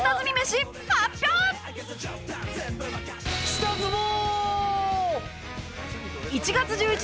下積もう！